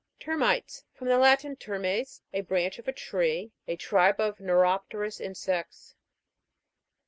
TER'MITES. From the Latin, termes, a branch of a tree. A tribe of neuropterous insects.